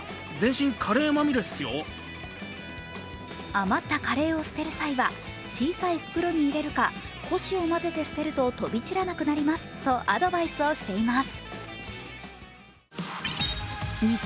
余ったカレーを捨てる際は小さい袋に入れるか古紙をまぜて捨てると飛び散らなくなりますとアドバイスをしています。